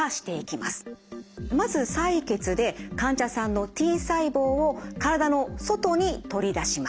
まず採血で患者さんのＴ細胞を体の外に取り出します。